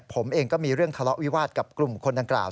ผมเองก็มีเรื่องทะเลาะวิวาสกับกลุ่มคนดังกล่าว